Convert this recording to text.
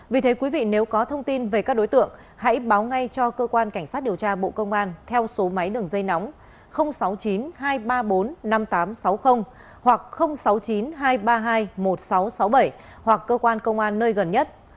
vì thế quý vị nếu có thông tin về các đối tượng hãy báo ngay cho cơ quan cảnh sát điều tra bộ công an theo số máy đường dây nóng sáu mươi chín hai trăm ba mươi bốn năm nghìn tám trăm sáu mươi hoặc sáu mươi chín hai trăm ba mươi hai một nghìn sáu trăm sáu mươi bảy hoặc cơ quan công an nơi gần nhất